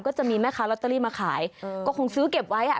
ก็จะมีแม่ค้าลอตเตอรี่มาขายก็คงซื้อเก็บไว้อ่ะ